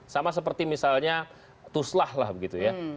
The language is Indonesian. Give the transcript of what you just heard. sama seperti misalnya tuslah lah begitu ya